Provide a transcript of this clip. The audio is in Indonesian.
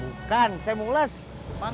tidak saya mau belajar